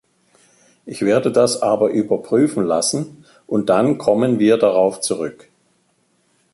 Ich werde das aber überprüfen lassen, und dann kommen wir darauf zurück.